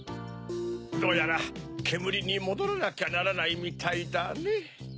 どうやらけむりにもどらなきゃならないみたいだねぇ。